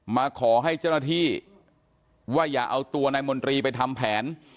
มาขอให้เจ้าหน้าที่ว่าอย่าเอาตัวนายมนตรีไปทำแผน